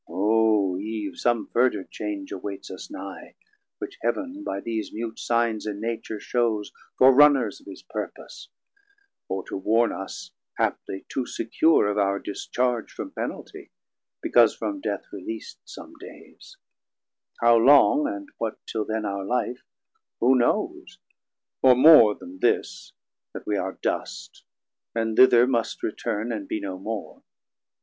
O Eve, some furder change awaits us nigh, Which Heav'n by these mute signs in Nature shews Forerunners of his purpose, or to warn Us haply too secure of our discharge From penaltie, because from death releast Some days; how long, and what till then our life, Who knows, or more then this, that we are dust, And thither must return and be no more.